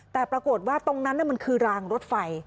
แต่ปรากฏว่าตรงนั้นมันคือรางรถไฟ